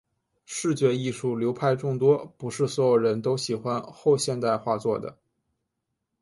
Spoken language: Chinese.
视觉艺术流派众多，不是所有人都喜欢后现代画作的。